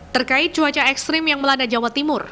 terkait cuaca ekstrim yang melanda jawa timur